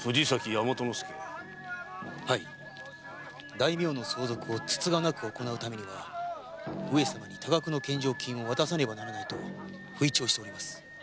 大名の相続をつつがなく行うためには上様に多額の献上金を渡さねばならないと吹聴しております。